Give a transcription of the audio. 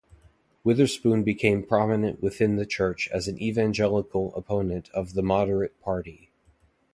Witherspoon became prominent within the Church as an Evangelical opponent of the Moderate Party.